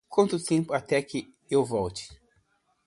Quanto tempo tenho até que ela volte?